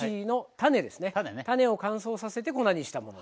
種を乾燥させて粉にしたものです。